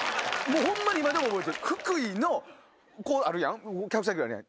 ホンマに今でも覚えてる福井のこう客席あるやん。